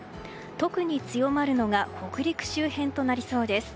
特に強まるのが北陸周辺となりそうです。